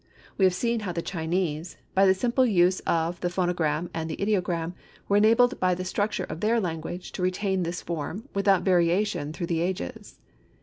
We have seen how the Chinese, by the simple use of the phonogram and the ideogram, were enabled by the structure of their language to retain this form without variation through the ages.